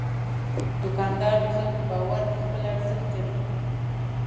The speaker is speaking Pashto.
دوکاندار د خلکو باور خپل ارزښت ګڼي.